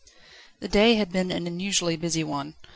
The day had been an unusually busy one.